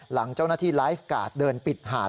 หลังเจ้าหน้าที่ไลฟ์การ์ดเดินปิดหาด